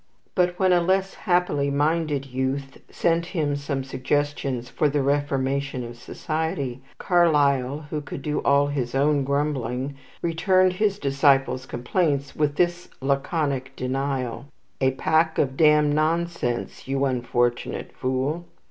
But when a less happily minded youth sent him some suggestions for the reformation of society, Carlyle, who could do all his own grumbling, returned his disciple's complaints with this laconic denial: "A pack of damned nonsense, you unfortunate fool."